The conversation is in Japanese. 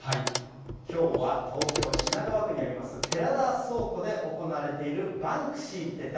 きょうは東京・品川区にあります、寺田倉庫で行われている、バンクシーって誰？